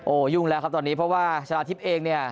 ยุ่งแล้วครับตอนนี้เพราะว่าชนะทิพย์เองเนี่ย